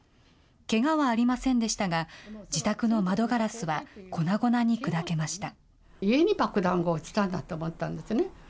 けがはありませんでしたが、自宅の窓ガラスは粉々に砕けました。